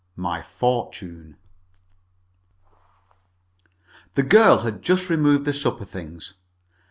MY FORTUNE The girl had just removed the supper things.